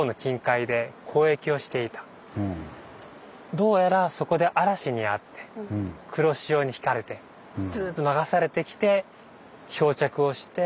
どうやらそこで嵐に遭って黒潮にひかれてずっと流されてきて漂着をして。